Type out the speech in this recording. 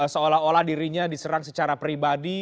seolah olah dirinya diserang secara pribadi